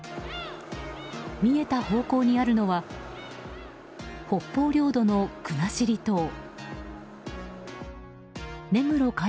見えた方向にあるのは北方領土の国後島。